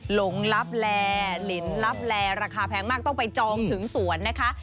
หลงลับแลลินลับแลราคาแพงมากต้องไปจองถึงสวนนะคะ